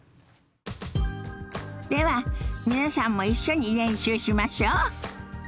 では皆さんも一緒に練習しましょ。